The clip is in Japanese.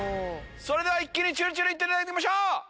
それでは一気にチュルチュルいっていただきましょう。